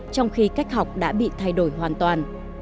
trong khi cách học đã bị thay đổi hoàn toàn